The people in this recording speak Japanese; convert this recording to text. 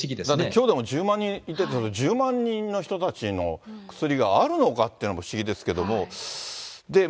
きょうでも１０万人いて、１０万人の人たちの薬があるのかっていうのも不思議ですけれども。